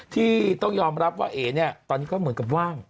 ที่ต้องยอมรับว่าเอ๋เนี่ยตอนนี้ก็เหมือนกับว่าง